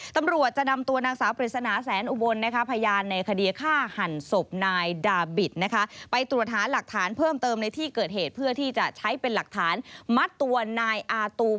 ตรงในที่เกิดเหตุเพื่อที่จะใช้เป็นหลักฐานมัดตัวนายอาตู